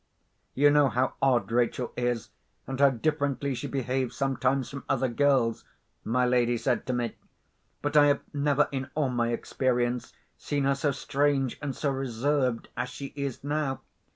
"You know how odd Rachel is, and how differently she behaves sometimes from other girls," my lady said to me. "But I have never, in all my experience, seen her so strange and so reserved as she is now.